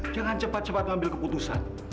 jangan cepat cepat ngambil keputusan